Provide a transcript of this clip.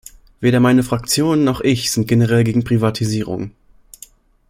Weder meine Fraktion noch ich sind generell gegen Privatisierungen.